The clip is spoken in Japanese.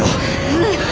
うん！